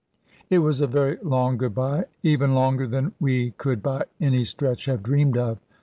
It was a very long "good bye," even longer than we could by any stretch have dreamed of.